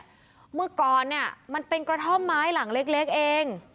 ก่อกำแพงอิดบล็อกแน่นหนาเนี้ยเมื่อก่อนเนี้ยมันเป็นกระท่อมไม้หลังเล็กเล็กเอง